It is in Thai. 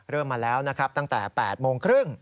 มาแล้วนะครับตั้งแต่๘โมงครึ่ง